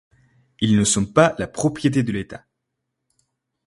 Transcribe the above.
Ils ne sont pas la propriété de l’État.